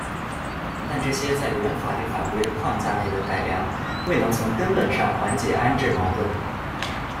但这些在原法律法规框架内的改良，未能从根本上缓解安置矛盾。